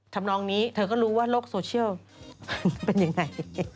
ทำนองนี้เธอก็รู้ว่าโลกโซเชียลเป็นยังไง